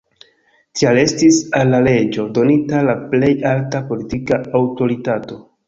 Tial estis al la reĝo donita la plej alta politika aŭtoritato.